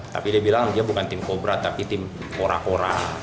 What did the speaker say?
tapi dia bilang dia bukan tim cobra tapi tim kora kora